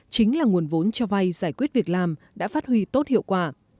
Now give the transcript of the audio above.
chính là nguồn vốn cho vay giải quyết việc làm đã phát huy tốt hiệu quả